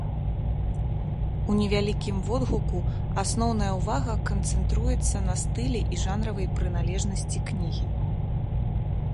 У невялікім водгуку асноўная ўвага канцэнтруецца на стылі і жанравай прыналежнасці кнігі.